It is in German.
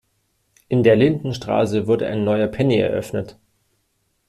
In der Lindenstraße wurde ein neuer Penny eröffnet.